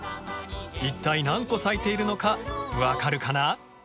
一体何個咲いているのか分かるかな？